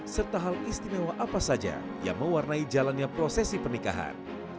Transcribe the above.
serta hal istimewa apa saja yang mewarnai jalannya prosesi pernikahan